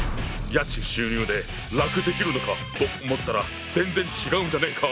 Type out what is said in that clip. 家賃収入で楽できるのかと思ったら全然違うじゃねえか！